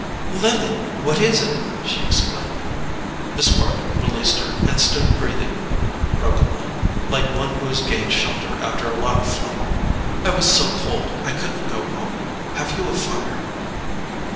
"Lily—what is it?" she exclaimed. Miss Bart released her, and stood breathing brokenly, like one who has gained shelter after a long flight. "I was so cold—I couldn't go home. Have you a fire?"